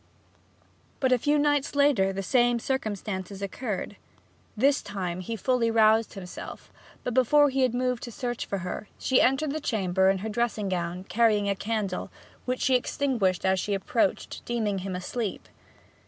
But a few nights later the same circumstances occurred. This time he fully roused himself; but before he had moved to search for her, she entered the chamber in her dressing gown, carrying a candle, which she extinguished as she approached, deeming him asleep.